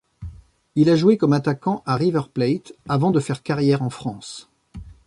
Il a joué comme attaquant à River Plate, avant de faire carrière en France.